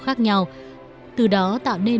khác nhau từ đó tạo nên